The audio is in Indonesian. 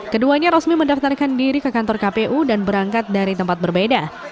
keduanya resmi mendaftarkan diri ke kantor kpu dan berangkat dari tempat berbeda